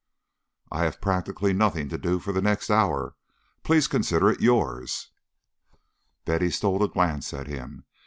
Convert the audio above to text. "I have practically nothing to do for the next hour. Please consider it yours." Betty stole a glance at him.